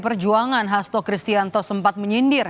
perjuangan hasto kristianto sempat menyindir